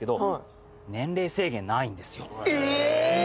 え⁉